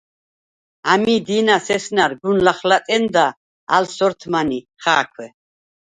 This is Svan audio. ამი̄ დი̄ნას ესნა̈რ გუნ ლახლატჷნდა ალ სორთმან ი ხა̄̈ქუ̂: